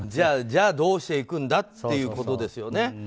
じゃあ、どうしていくんだっていうことですよね。